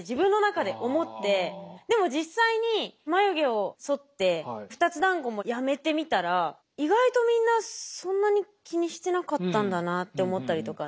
でも実際に眉毛をそって２つだんごもやめてみたら意外とみんなそんなに気にしてなかったんだなって思ったりとか。